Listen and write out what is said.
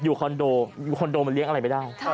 อยู่คอนโดคอนโดมาเลี้ยงอะไรไม่ได้